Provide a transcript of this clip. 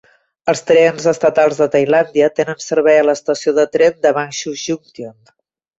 Els trens estatals de Tailàndia tenen servei a l'estació de tren de Bang Sue Junction.